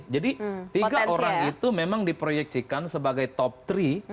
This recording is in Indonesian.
jadi tiga orang itu memang diproyeksikan sebagai top three